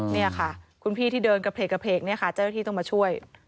นี่ค่ะคุณพี่ที่เดินกระเพกเนี่ยค่ะเจ้าหน้าที่ต้องมาช่วย